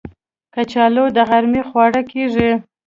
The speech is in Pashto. کچالو د غرمې خواړه کېږي